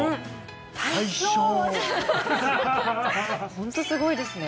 ホントすごいですね